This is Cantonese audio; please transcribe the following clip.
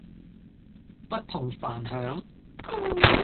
不同凡響